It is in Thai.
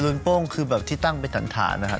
โป้งคือแบบที่ตั้งเป็นฐานนะครับ